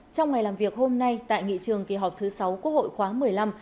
trong ngày làm việc hôm nay tại nghị trường kỳ họp thứ sáu quốc hội khóa một mươi năm